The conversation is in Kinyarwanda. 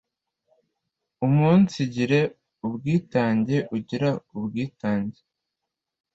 Umunsigira ubwitange u gira u bwita n g e